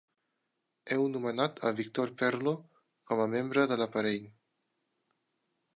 Heu nomenat a Victor Perlo com a membre de l'aparell.